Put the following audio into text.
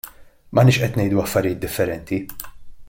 M'aħniex qed ngħidu affarijiet differenti.